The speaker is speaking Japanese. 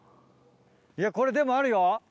いやこれでもあるよ。